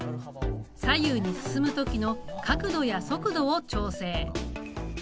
左右に進む時の角度や速度を調整。